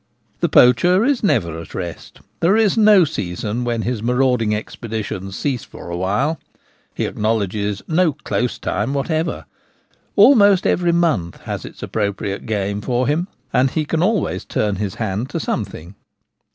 The poacher is never at rest ; there is no season when his marauding expeditions cease for awhile : he acknowledges no ' close time ' whatever. Almost every month has its appropriate game for him, and he can always turn his hand to something.